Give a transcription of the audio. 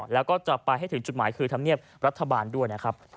แล้วก็จะไปให้ถึงจุดหมายคือธรรมเนียบรัฐบาลด้วยนะครับ